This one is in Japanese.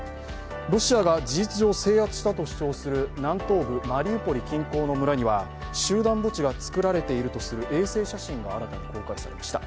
ロシアが事実上、制圧したとされるマリウポリ周辺には集団墓地が作られているとする衛星写真が新たに公開されました。